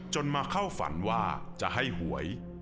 มาเข้าฝันว่าจะให้หวย